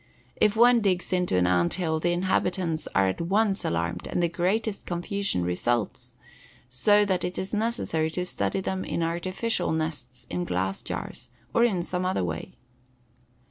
If one digs into an anthill the inhabitants are at once alarmed and the greatest confusion results, so that it is necessary to study them in artificial nests in glass jars, or in some other way.